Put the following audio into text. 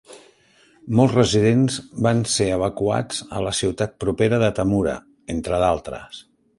Molts residents van ser evacuats a la ciutat propera de Tamura, entre d'altres.